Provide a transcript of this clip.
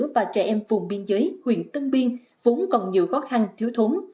và trẻ em phùng biên giới huyện tân biên vốn còn nhiều khó khăn thiếu thốn